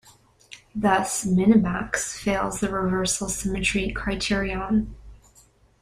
Thus, Minimax fails the Reversal symmetry criterion.